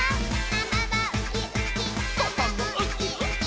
「ママはウキウキ」「パパもウキウキ」